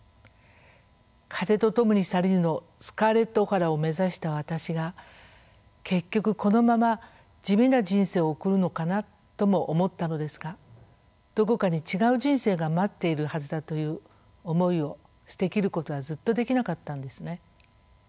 「風と共に去りぬ」のスカーレット・オハラを目指した私が結局このまま地味な人生を送るのかなとも思ったのですがどこかに違う人生が待っているはずだという思いを捨て切ることはずっとできなかったんですね。